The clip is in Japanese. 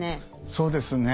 そうですね。